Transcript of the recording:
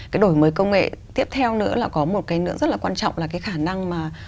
cái đổi mới công nghệ tiếp theo nữa là có một cái nữa rất là quan trọng là cái khả năng mà